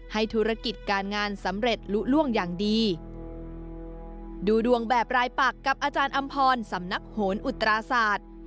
ให้ธุรกิจการงานสำเร็จลุล่วงอย่างดีดูดวงแบบรายปักกับอาจารย์อำพรสำนักโหนอุตราศาสตร์